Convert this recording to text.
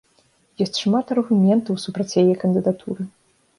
Ёсць шмат аргументаў супраць яе кандыдатуры.